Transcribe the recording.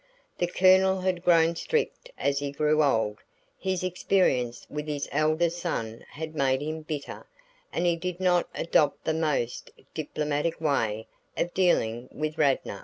The Colonel had grown strict as he grew old; his experience with his elder son had made him bitter, and he did not adopt the most diplomatic way of dealing with Radnor.